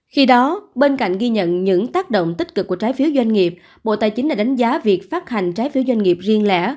khi đó bên cạnh ghi nhận những tác động tích cực của trái phiếu doanh nghiệp bộ tài chính đã đánh giá việc phát hành trái phiếu doanh nghiệp riêng lẻ